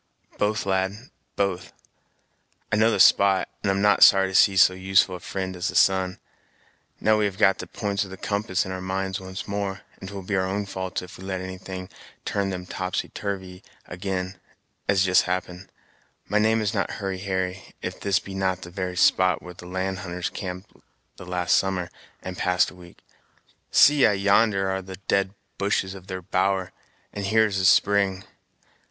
"Both, lad, both; I know the spot, and am not sorry to see so useful a fri'nd as the sun. Now we have got the p'ints of the compass in our minds once more, and 't will be our own faults if we let anything turn them topsy turvy ag'in, as has just happened. My name is not Hurry Harry, if this be not the very spot where the land hunters camped the last summer, and passed a week. See I yonder are the dead bushes of their bower, and here is the spring.